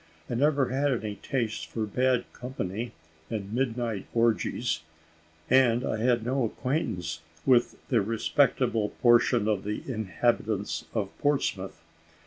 I never had any taste for bad company and midnight orgies, and I had no acquaintance with the respectable portion of the inhabitants of Portsmouth.